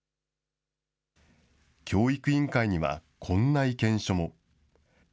教育委員会にはこんな意見書も。